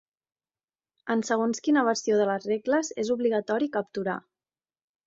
En segons quina versió de les regles és obligatori capturar.